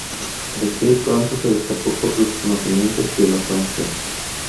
Creció y pronto se destacó por sus conocimientos y elocuencia.